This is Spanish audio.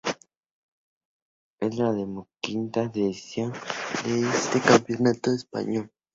Es la decimoquinta edición de este campeonato español.